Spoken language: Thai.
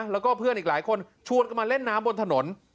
แล้วก็เพื่อนอีกหลายคนชวนกันมาเล่นน้ำบนถนน